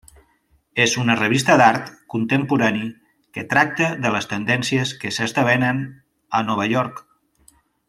És una revista d'art contemporani que tracta de les tendències que s'esdevenen a Nova York.